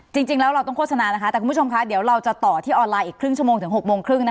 จริงแล้วเราต้องโฆษณานะคะแต่คุณผู้ชมคะเดี๋ยวเราจะต่อที่ออนไลน์อีกครึ่งชั่วโมงถึง๖โมงครึ่ง